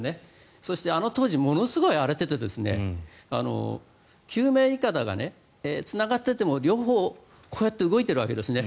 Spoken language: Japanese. そしてあの当時ものすごい荒れていて救命いかだがつながっていても両方、こうやって動いているわけですね